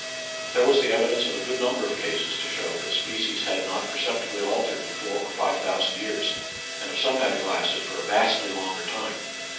There was the evidence of a good number of cases to show that species had not perceptibly altered in four or five thovtsand years, and of some having lasted for a vastly longer time.